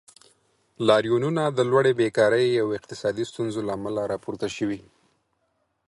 لاریونونه د لوړې بیکارۍ او اقتصادي ستونزو له امله راپورته شوي.